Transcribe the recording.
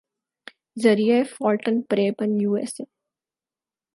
ذریعہ فالٹن پریبن یوایساے